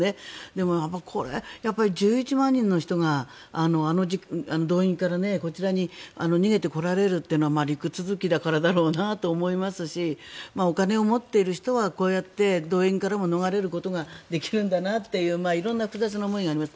でも、１１万人の人が動員から、こちらに逃げてこられるというのは陸続きだからだなと思いますしお金を持っている人はこうやって動員からも逃れることができるんだなという色んな複雑な思いがあります。